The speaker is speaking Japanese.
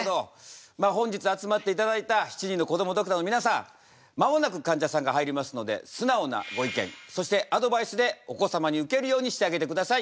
まあ本日集まっていただいた７人のこどもドクターの皆さん間もなくかんじゃさんが入りますので素直なご意見そしてアドバイスでお子様にウケるようにしてあげてください。